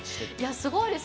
すごいです。